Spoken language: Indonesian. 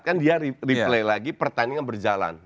kan dia replay lagi pertandingan berjalan